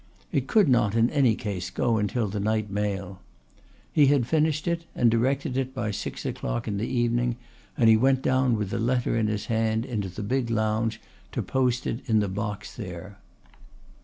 It could not in any case go until the night mail. He had finished it and directed it by six o'clock in the evening and he went down with the letter in his hand into the big lounge to post it in the box there.